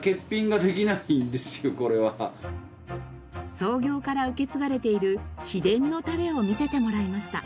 創業から受け継がれている秘伝のたれを見せてもらいました。